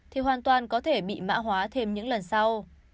thì hoàn toàn có thể bị mã hóa thêm những lần sau